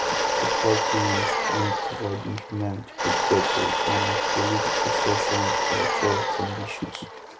The party aims at providing humanity with better economic, political, social and cultural conditions.